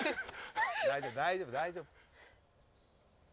大丈夫大丈夫。